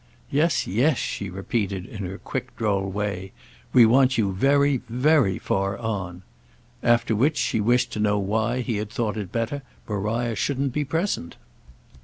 Yes, yes," she repeated in her quick droll way; "we want you very, very far on!" After which she wished to know why he had thought it better Maria shouldn't be present.